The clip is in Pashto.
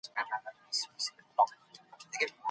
ډیپلوماټان د کډوالو په قانون کي څه بدلوي؟